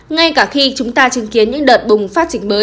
ngay cả khi chúng ta chứng kiến những đợt bùng phát dịch mới